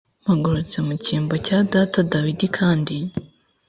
mpagurutse mu cyimbo cya data dawidi kandi